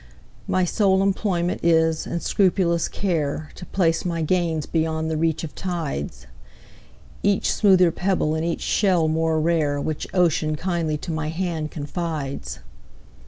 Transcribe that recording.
My sole employment is, and scrupulous care, To place my gains beyond the reach of tides,—Each smoother pebble, and each shell more rare, Which Ocean kindly to my hand confides.